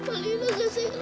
nanti saya berik patch